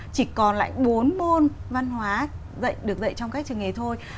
chỉ còn lại bốn môn văn hóa dạy được dạy trong các trường nghề thôi